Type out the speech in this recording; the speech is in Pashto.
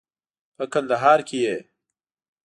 په کندهار کې یې